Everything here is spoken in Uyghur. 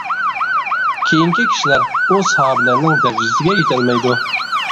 كېيىنكى كىشىلەر ئۇ ساھابىلەرنىڭ دەرىجىسىگە يېتەلمەيدۇ.